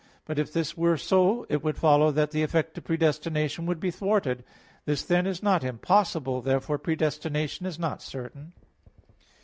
But if this were so, it would follow that the effect of predestination would be thwarted. This then, is not impossible. Therefore predestination is not certain.